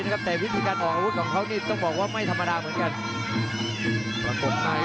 อันวัดเบียดเข้ามาอันวัดโดนชวนแรกแล้ววางแค่ขวาแล้วเสียบด้วยเขาซ้าย